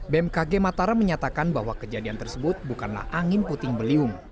bmkg matara menyatakan bahwa kejadian tersebut bukanlah angin puting beliung